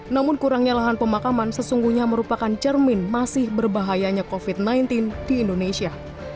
namun kurangnya lahan pemakaman sesungguhnya merupakan cermin masih berbahayanya covid sembilan belas di indonesia